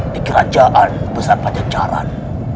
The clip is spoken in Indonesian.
di kerajaan besar pancacaran